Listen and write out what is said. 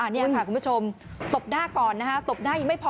นี่ค่ะคุณผู้ชมตบหน้าก่อนนะฮะตบหน้ายังไม่พอ